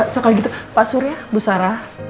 sekali gitu pak surya bu sarah